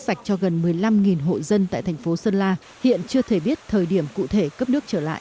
nước sạch cho gần một mươi năm hộ dân tại thành phố sơn la hiện chưa thể biết thời điểm cụ thể cấp nước trở lại